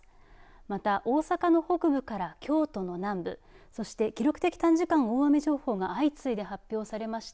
また、大阪の北部から京都の南部そして、記録的短時間大雨情報が相次いで発表されました